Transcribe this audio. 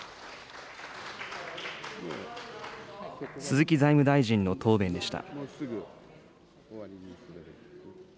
鈴木財務大臣の答弁でした。